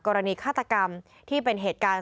ฆาตกรรมที่เป็นเหตุการณ์